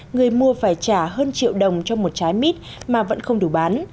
người mua phải trả hơn triệu đồng cho một trái mít mà vẫn không đủ bán